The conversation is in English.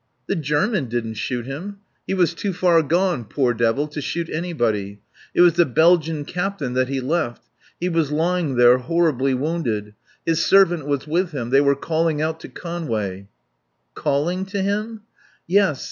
"The German didn't shoot him. He was too far gone, poor devil, to shoot anybody.... It was the Belgian captain that he left.... He was lying there, horribly wounded. His servant was with him; they were calling out to Conway " "Calling to him?" "Yes.